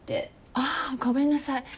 あぁごめんなさい。